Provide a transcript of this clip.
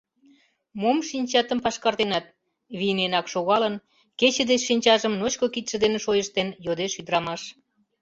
— Мом шинчатым пашкартенат? — вийненак шогалын, кече деч шинчажым ночко кидше дене шойыштен, йодеш ӱдырамаш.